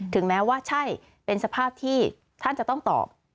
แม้ว่าใช่เป็นสภาพที่ท่านจะต้องตอบ